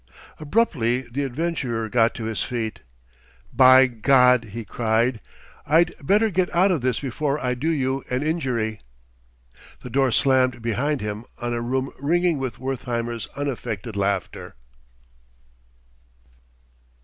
Abruptly the adventurer got to his feet. "By God!" he cried, "I'd better get out of this before I do you an injury!" The door slammed behind him on a room ringing with Wertheimer's unaffected laughter.